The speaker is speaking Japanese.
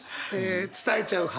伝えちゃう派？